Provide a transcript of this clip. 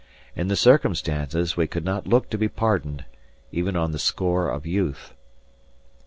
In the circumstances we could not look to be pardoned, even on the score of youth.